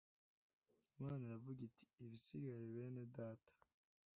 Imana iravuga iti: Ibisigaye bene Data